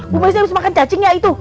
bu messi harus makan cacingnya itu